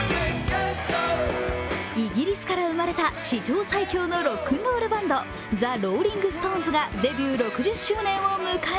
イギリスから生まれた史上最強のロックンロールバンド、ＴＨＥＲＯＬＬＩＮＧＳＴＯＮＥＳがデビュー６０周年を迎え、